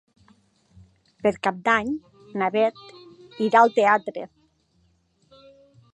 Per Cap d'Any na Bet irà al teatre.